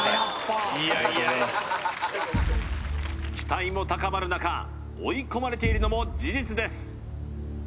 いやいや期待も高まる中追い込まれているのも事実です